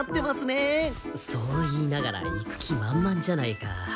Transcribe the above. そう言いながら行く気まんまんじゃないか。